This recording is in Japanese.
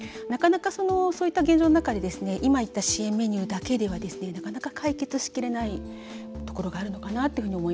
そういった現状の中で今言った支援メニューだけではなかなか解決しきれないところがあるのかなというふうに思います。